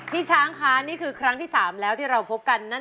พี่ช้างคะนี่คือครั้งที่๓แล้วที่เราพบกันนั่น